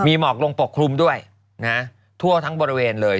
มีหมอกลงปกคลุมด้วยทั่วทั้งบริเวณเลย